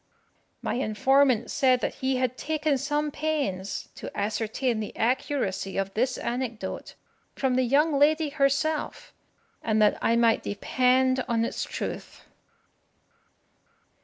My informant said that he had taken some pains to ascertain the accuracy of this anecdote from the young lady herself, and that I might depend on its truth.